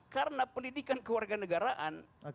karena pendidikan kewarganegaraan